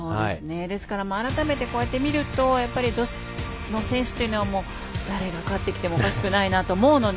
改めて、こうやって見ると女子の選手というのは誰が勝ってきてもおかしくないなと思うので。